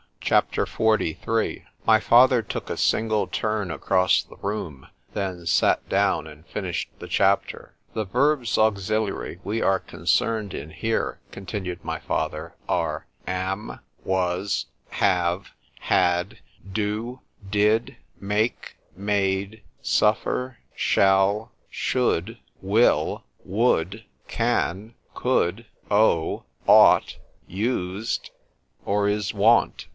C H A P. XLIII MY father took a single turn across the room, then sat down, and finished the chapter. The verbs auxiliary we are concerned in here, continued my father, are, am; was; have; had; do; did; make; made; suffer; shall; should; will; would; can; could; owe; ought; used; or _is wont.